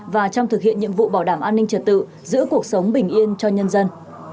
và trong thực hiện nhiệm vụ bảo đảm an ninh trật tự giữ cuộc sống bình yên cho nhân dân